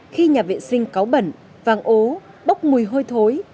khi nhà vệ sinh có bẩn vàng ố bốc mùi hôi thối